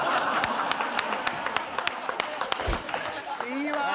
いいわ！